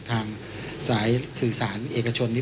ทางสายสื่อสารเอกชนนี้